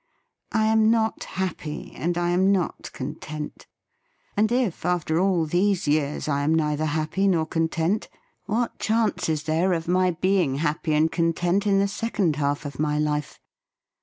I am not happy and I am not content. And if, after all these years, I am neither happy nor content, what chance is there of my being happy and THE FEAST OF ST FRIEND content in the second half of my life?